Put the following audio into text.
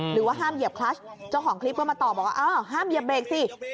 หรือว่าห้ามเหยียบคลัสเจ้าของคลิปก็มาตอบบอกว่าอ้าวห้ามเหยียบเบรกสิ